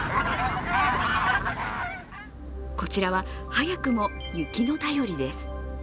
こちらは早くも雪の便りです。